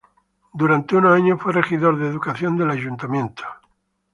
Durante unos años fue regidor de educación del Ayuntamiento.